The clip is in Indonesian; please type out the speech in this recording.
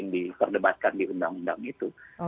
diperdebatkan di undang undang itu